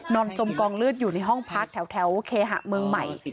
จมกองเลือดอยู่ในห้องพักแถวเคหะเมืองใหม่